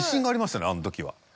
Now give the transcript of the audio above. あの時は。